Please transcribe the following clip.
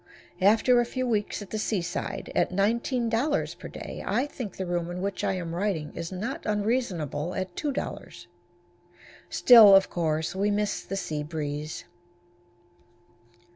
After a few weeks at the seaside, at $19 per day, I think the room in which I am writing is not unreasonable at $2. Still, of course, we miss the sea breeze.